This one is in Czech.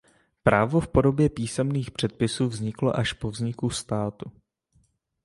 Právo v podobě písemných předpisů vzniklo až po vzniku státu.